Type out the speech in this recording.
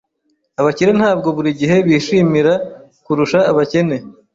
Abakire ntabwo buri gihe bishimira kurusha abakene. .